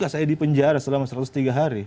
saya dipenjara selama satu ratus tiga hari